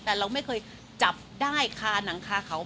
แต่เราไม่เคยจับได้คาหนังคาเขา